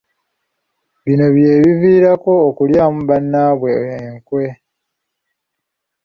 Bino bye biviirako okulyamu bannammwe enkwe.